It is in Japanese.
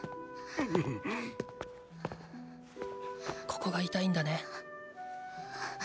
ここが痛いんだね。